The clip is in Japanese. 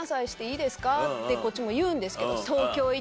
ってこっちも言うんですけど。